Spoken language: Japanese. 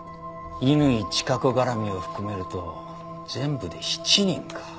乾チカ子絡みを含めると全部で７人か。